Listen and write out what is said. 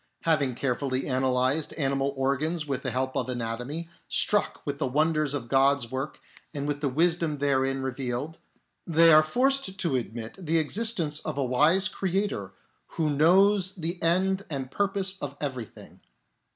Having carefully analysed animal organs with the help of anatomy, struck with the wonders of God's work and with the wisdom therein re vealed, they are forced to admit the existence of a wise Creator Who knows the end and purpose of everything.